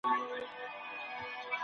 ایا په منظم ډول د نوکانو اخیستل نظافت دی؟